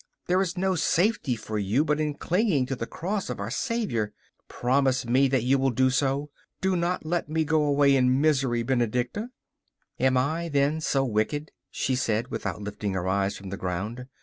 There is no safety for you but in clinging to the cross of our Saviour. Promise me that you will do so do not let me go away in misery, Benedicta.' 'Am I, then, so wicked?' she said, without lifting her eyes from the ground.